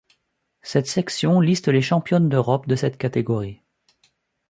Cette section liste les championnes d'Europe de cette catégorie.